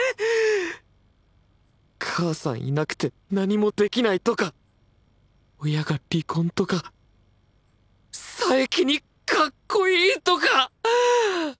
母さんいなくて何もできないとか親が離婚とか佐伯に「かっこいい」とか！